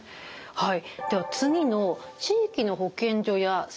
はい。